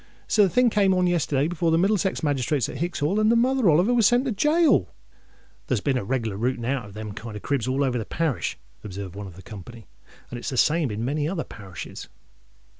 So the thing come on yesterday before the Middlesex magistrates at Hicks's Hall, and Mother Oliver was sent to gaol." "There's been a reglar rooting out of them kind of cribs all over the parish," observed one of the company; "and it's the same in a many other parishes."